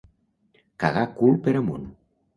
Cagar cul per amunt.